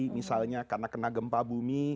misalnya karena kena gempa bumi